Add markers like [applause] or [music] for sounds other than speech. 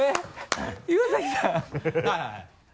岩崎さん [laughs]